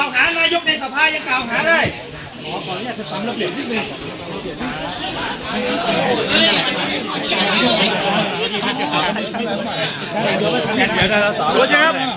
พี่เขากล่าวหานายกในสภาพยังกล่าวหาด้วย